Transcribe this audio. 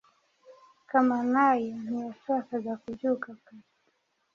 Kamanayo ntiyashakaga kubyuka kare.